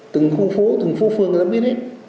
từng khu phố từng phố phương người ta biết hết